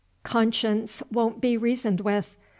Conscience won't be reasoned with.